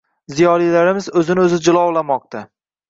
Ziyolilarimiz o’zini o’zi jilovlamoqda